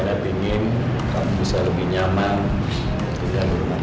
dan mama adriana bingin kamu bisa lebih nyaman tinggal di rumah ini